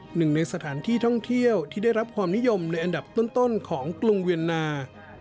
หนึ่งในสถานที่ท่องเที่ยวที่ได้รับความนิยมในอันดับต้นของกรุงเวียนนา